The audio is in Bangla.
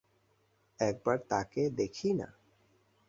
একবার তাঁকে দেখিই-না।